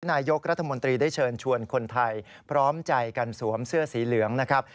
นายกรัฐมนตรีได้เชิญชวนคนไทยพร้อมใจกันสวมเสื้อสีเหลืองนะครับ